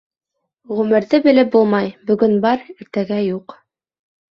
Ғүмерҙе белеп булмай: бөгөн бар, иртәгә юҡ.